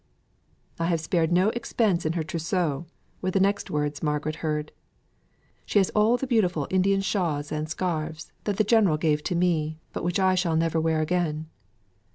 "I have spared no expense in her trousseau," were the next words Margaret heard. "She has all the beautiful Indian shawls and scarfs the General gave to me, but which I shall never wear again."